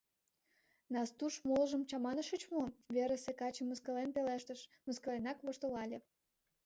— Настуш, молыжым чаманышыч мо? — верысе каче мыскылен пелештыш, мыскыленак воштылале.